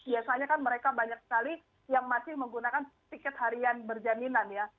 biasanya kan mereka banyak sekali yang masih menggunakan tiket harian berjaminan ya